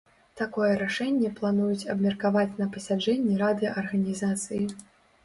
Такое рашэнне плануюць абмеркаваць на пасяджэнні рады арганізацыі.